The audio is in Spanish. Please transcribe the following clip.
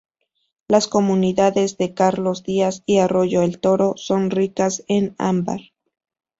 Las Comunidades de "Carlos Díaz" y "Arroyo el Toro" son ricas en ámbar.